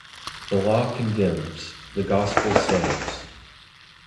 The Law condemns; the Gospel saves.